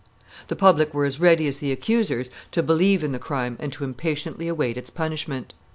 The public were as ready as the accusers to believe in the crime and to impatiently await its punishment.